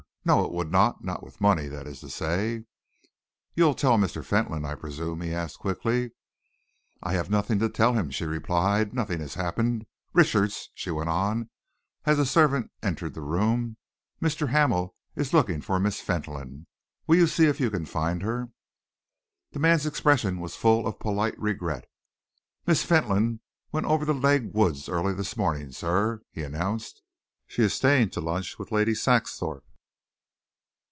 No, it would not not with money, that is to say." "You'll tell Mr. Fentolin, I presume?" he asked quickly. "I have nothing to tell him," she replied. "Nothing has happened. Richards," she went on, as a servant entered the room, "Mr. Hamel is looking for Miss Fentolin. Will you see if you can find her?" The man's expression was full of polite regret. "Miss Fentolin went over to Legh Woods early this morning, sir," he announced. "She is staying to lunch with Lady Saxthorpe."